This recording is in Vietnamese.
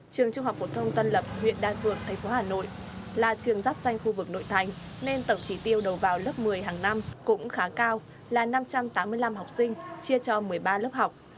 trường trung học phổ thông tân lập huyện đa phượng thành phố hà nội là trường dắp xanh khu vực nội thành nên tổng trí tiêu đầu vào lớp một mươi hàng năm cũng khá cao là năm trăm tám mươi năm học sinh chia cho một mươi ba lớp học